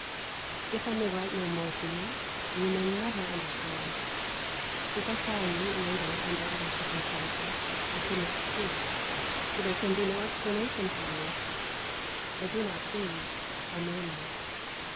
If I may write no more to you, you may never understand. If I saw you, later, under other circumstances, I could not speak; so there can be no explanation for me. I do not plead, I may not.